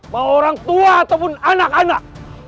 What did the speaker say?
bahwa orang tua ataupun anak anak